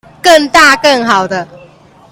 更大更好的